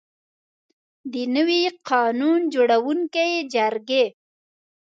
د نوي قانون جوړوونکي جرګې.